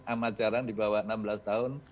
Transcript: amat jarang di bawah enam belas tahun